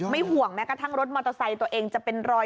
ห่วงแม้กระทั่งรถมอเตอร์ไซค์ตัวเองจะเป็นรอย